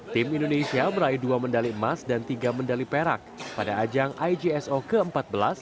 tim indonesia meraih dua medali emas dan tiga medali perak pada ajang igso ke empat belas